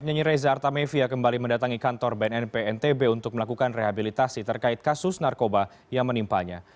nyanyi reza artamevia kembali mendatangi kantor bnnp ntb untuk melakukan rehabilitasi terkait kasus narkoba yang menimpanya